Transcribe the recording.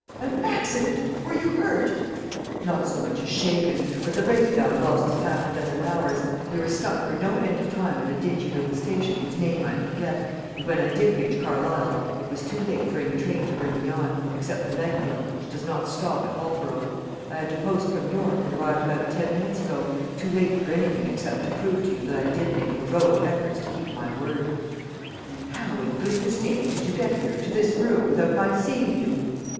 "An accident! Were you hurt?" "Not so much as shaken; but the break down lost me half a dozen hours. We were stuck for no end of time at a dingy little station whose name I forget, and when I did reach Carlisle, it was too late for any train to bring me on, except the night mail, which does not stop at Holborough. I had to post from York, and arrived about ten minutes ago too late for anything except to prove to you that I did make heroic efforts to keep my word." "And how, in goodness' name, did you get here, to this room, without my seeing you?"